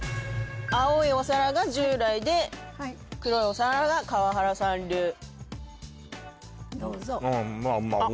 青いお皿が従来で黒いお皿が川原さん流うんまあまああっ